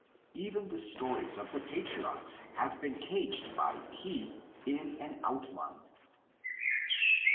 Even the stories of the patriarchs have been caged by P in an outline.